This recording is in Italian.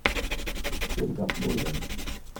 Erica Boyer